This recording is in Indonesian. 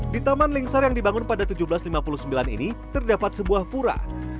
di taman lingsar yang dibangun pada seribu tujuh ratus lima puluh sembilan ini terdapat sebuah pura